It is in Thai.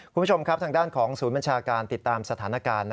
คุณผู้ชมครับทางด้านของศูนย์บัญชาการติดตามสถานการณ์